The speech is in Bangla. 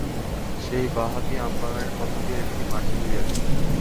সেই বাঁ-হাতি আমবাগানের মধ্য দিয়া একটা মাঠে লইয়া গেল।